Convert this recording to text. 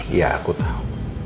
iya aku tahu